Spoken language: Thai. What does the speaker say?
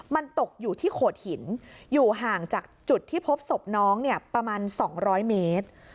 มันตกอยู่ที่โขดหินอยู่ห่างจากจุดที่พบศพน้องเนี่ยประมาณ๒๐๐เมตร